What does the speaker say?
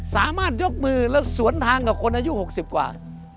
สามารถยกมือและสวนทางกับคนอายุ๖๐กว่า